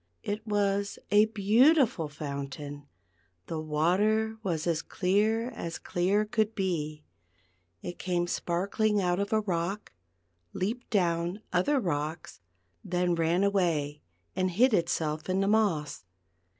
It was a beautiful fountain ; the water was as clear as clear could be ; it came sparkling out of a rock, leaped down other rocks, then ran away and hid itself in the moss.